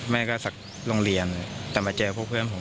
แม่ก็สักโรงเรียนแต่มาเจอพวกเพื่อนผม